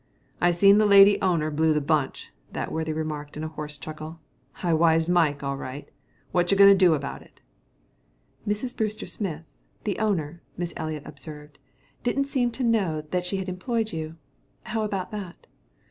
"I seen the lady owner blew the bunch," that worthy remarked with a hoarse chuckle. "I wised Mike, all right. Whatcha goin' to do about it?" "Mrs. Brewster Smith, the owner," Miss Eliot observed, "didn't seem to know that she had employed you. How about that?"